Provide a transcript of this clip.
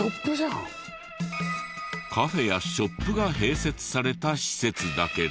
カフェやショップが併設された施設だけど。